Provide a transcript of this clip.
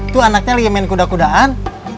tuh anaknya lagi main kuda kudaan